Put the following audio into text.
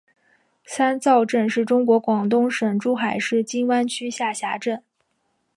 三灶镇是中国广东省珠海市金湾区下辖镇。